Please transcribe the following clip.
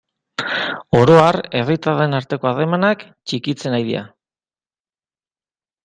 Oro har, herritarren arteko harremanak txikitzen ari dira.